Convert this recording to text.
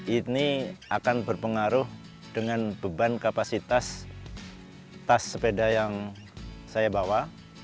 ini akan berpengaruh dengan beban kapasitas tas sepeda yang saya bawa